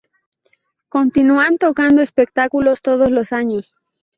Continúan tocando espectáculos todos los años.